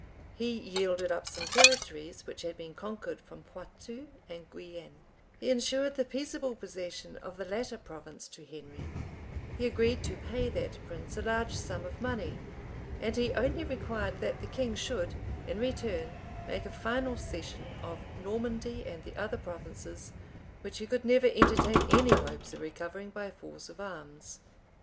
He yielded up some territories which had been conquered from Poictou and Guienne; he insured the peaceable possession of the latter province to Henry; he agreed to pay that prince a large sum of money; and he only required that the king should, in return, make a final cession of Normandy and the other provinces, which he could never entertain any hopes of recovering by force of arms.